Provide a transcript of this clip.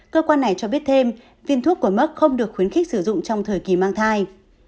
cơ quan này cho biết thêm viên thuốc của mc không được khuyến khích sử dụng trong thời kỳ mang thai